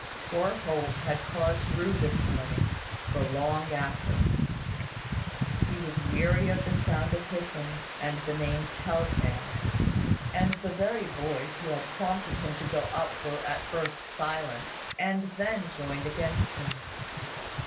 Poor Holt had cause to rue this morning, for long after. He was weary of the sound of hissing, and of the name "tell tale;" and the very boys who had prompted him to go up were at first silent, and then joined against him.